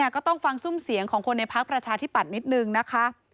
ก็ต้องฟังซุ่มเสียงของคนในภักดิ์ประชาธิปัดหนึ่งนะคะ